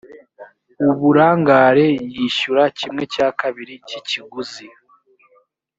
uburangare yishyura kimwe cya kabiri cy ikiguzi